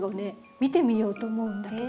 見てみようと思うんだけど。